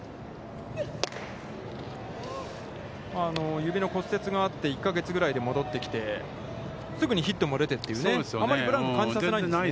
指の骨折があって、１か月ぐらいで戻ってきて、すぐにヒットも出てというね、余りブランクを感じさせません。